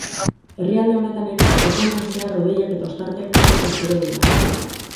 Herrialde honetan ere egunean zehar hodeiak eta ostarteak tarteka espero dira.